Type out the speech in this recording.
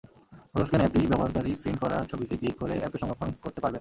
PhotoScan অ্যাপটি ব্যবহারকারী print করা ছবিতে ক্লিক করে অ্যাপে সংরক্ষণ করতে পারবেন।